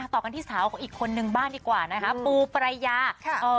ต่อกันที่สาวของอีกคนนึงบ้างดีกว่านะคะปูปรายาค่ะเอ่อ